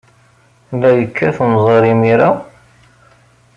La yekkat unẓar imir-a?